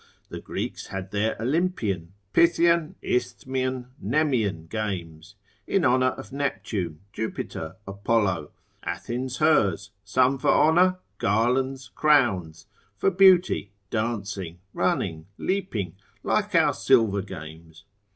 The Greeks had their Olympian, Pythian, Isthmian, Nemean games, in honour of Neptune, Jupiter, Apollo; Athens hers: some for honour, garlands, crowns; for beauty, dancing, running, leaping, like our silver games.